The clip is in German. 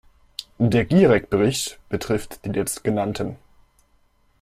Der Gierek-Bericht betrifft die Letztgenannten.